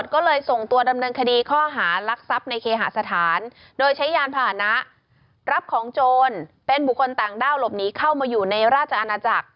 ก็เลยส่งตัวดำเนินคดีข้อหารักทรัพย์ในเคหาสถานโดยใช้ยานผ่านะรับของโจรเป็นบุคคลต่างด้าวหลบหนีเข้ามาอยู่ในราชอาณาจักร